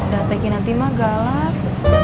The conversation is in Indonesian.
datai kinanti mah galak